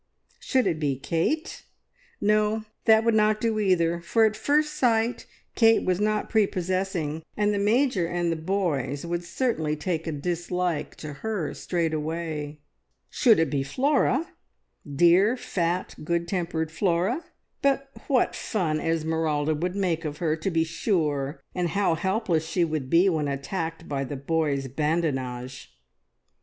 Should it be Kate? No, that would not do either, for at first sight Kate was not prepossessing, and the Major and the boys would certainly take a dislike to her straightway. Should it be Flora dear, fat, good tempered Flora? But what fun Esmeralda would make of her, to be sure, and how helpless she would be when attacked by the boys' badinage!